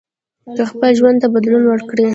که خپل ژوند ته بدلون ورکړئ